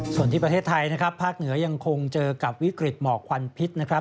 ส่วนที่ประเทศไทยนะครับภาคเหนือยังคงเจอกับวิกฤตหมอกควันพิษนะครับ